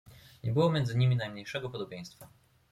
"Nie było między nimi najmniejszego podobieństwa."